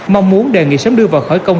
mong muốn đề nghị sớm đưa vào khởi công